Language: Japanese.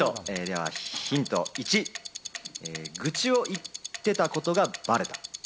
ヒント１、愚痴を言ってたことがバレた。